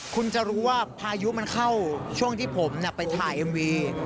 คุณจะรู้ว่าพายุมันเข้าช่วงที่ผมไปถ่ายเอ็มวี